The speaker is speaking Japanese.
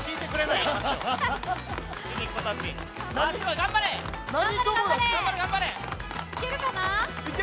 いけるかな？